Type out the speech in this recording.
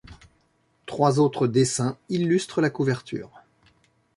Trois autres dessins illustrent la couverture.